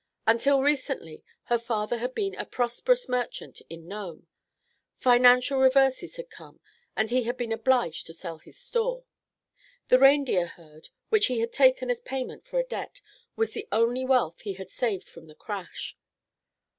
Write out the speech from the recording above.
Until recently her father had been a prosperous merchant in Nome. Financial reverses had come and he had been obliged to sell his store. The reindeer herd, which he had taken as payment for a debt, was the only wealth he had saved from the crash.